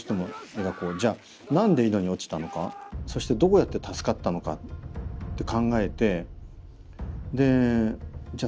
じゃあ何で井戸に落ちたのかそしてどうやって助かったのかって考えてでじゃあ